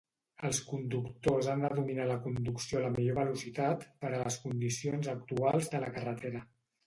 Els conductors han de dominar la conducció a la millor velocitat per a les condicions actuals de la carretera.